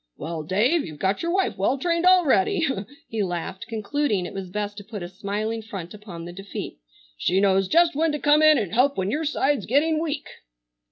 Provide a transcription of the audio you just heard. "Well, Dave, you've got your wife well trained already!" he laughed, concluding it was best to put a smiling front upon the defeat. "She knows just when to come in and help when your side's getting weak!"